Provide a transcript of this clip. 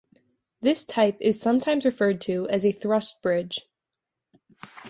This type is sometimes referred to as a thrust bridge.